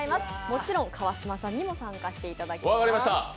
もちろん川島さんにも参加していただきます。